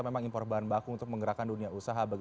memang impor bahan baku untuk menggerakkan dunia usaha